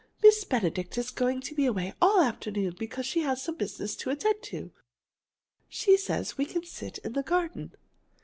Miss Benedict is going to be away all the afternoon because she has some business to attend to. She says we can sit in the garden."